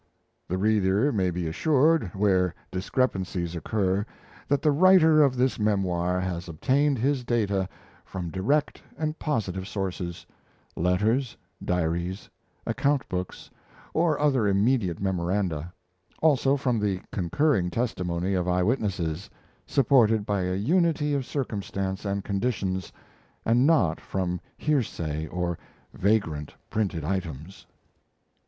The reader may be assured, where discrepancies occur, that the writer of this memoir has obtained his data from direct and positive sources: letters, diaries, account books, or other immediate memoranda; also from the concurring testimony of eye witnesses, supported by a unity of circumstance and conditions, and not from hearsay or vagrant printed items.